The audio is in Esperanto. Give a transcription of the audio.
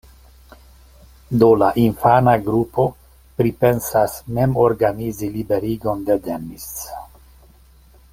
Do la infana grupo pripensas mem organizi liberigon de Dennis.